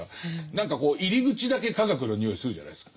何かこう入り口だけ科学のにおいするじゃないですか。